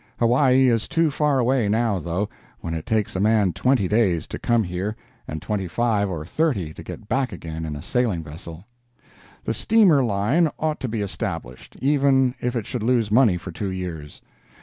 Hawaii is too far away now, though, when it takes a man twenty days to come here and twenty five or thirty to get back again in a sailing vessel. The steamer line ought to be established, even if it should lose money for two years.